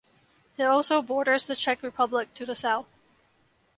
It also borders the Czech Republic to the south.